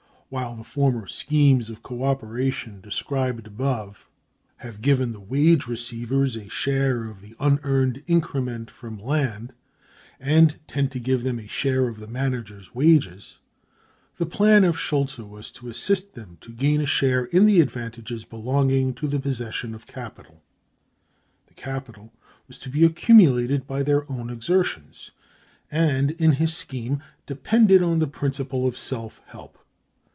While the former schemes of co operation described above have given the wages receivers a share of the unearned increment from land, and tend to give them a share of the manager's wages, the plan of Schultze was to assist them to gain a share in the advantages belonging to the possession of capital. The capital was to be accumulated by their own exertions, and, in his scheme depended on the principle of self help.